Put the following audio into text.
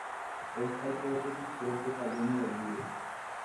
Esta hipótesis pronto cayó en el olvido.